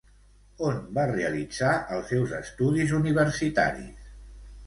On va realitzar els seus estudis universitaris?